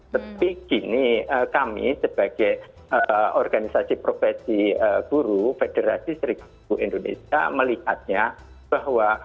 tapi kini kami sebagai organisasi profesi guru federasi seribu indonesia melihatnya bahwa